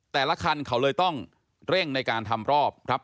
แต่ละคันเขาเลยต้องเร่งในการทำรอบครับ